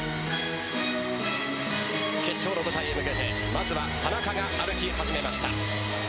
決勝の舞台へ向けて、まずは田中が歩き始めました。